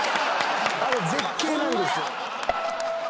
あれ絶景なんですよ。